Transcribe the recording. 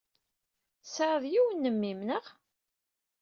Tesɛid yiwen n memmi-m, naɣ?